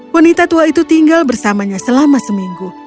wanita tua itu tinggal bersamanya selama seminggu